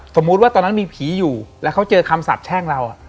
สมมุติว่าตอนนั้นมีผีอยู่แล้วเขาเจอคำสาบแช่งเรา